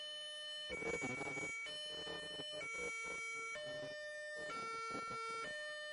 基节粉苞菊为菊科粉苞苣属的植物。